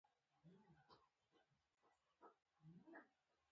چرګان د خپل چاپېریال سره اشنا دي.